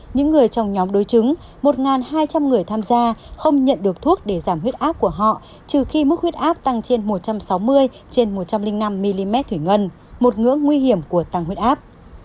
những người trong nhóm đối chứng một hai trăm linh người tham gia không nhận được thuốc để giảm huyết áp của họ trừ khi mức huyết áp tăng trên một trăm sáu mươi trên một trăm linh năm mm thủy ngân một ngưỡng nguy hiểm của tăng huyết áp